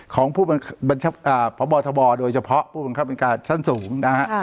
ของผู้บัญชาประบอบทบโดยเฉพาะผู้บัญชาบินการชั้นสูงนะฮะ